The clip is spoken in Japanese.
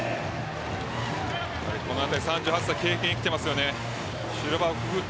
このあたり３８歳経験、生きています。